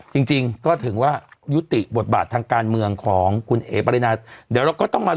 จริงจริงก็ถือว่ายุติบทบาททางการเมืองของคุณเอ๋ปรินาเดี๋ยวเราก็ต้องมา